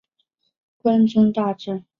关中大震。